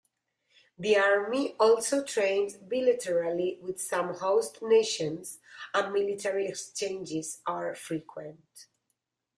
The Army also trains bilaterally with some host nations, and military exchanges are frequent.